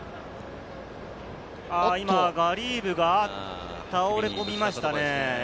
今、ガリーブが倒れ込みましたね。